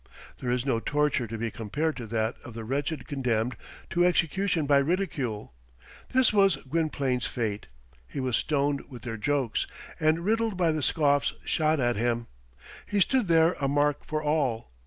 There is no torture to be compared to that of the wretch condemned to execution by ridicule. This was Gwynplaine's fate. He was stoned with their jokes, and riddled by the scoffs shot at him. He stood there a mark for all.